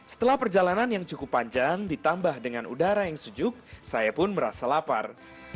setelah perjalanan yang cukup panjang ditambah dengan udara yang sejuk saya pun merasa lapar